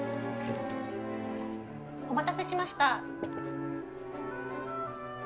お待たせしました。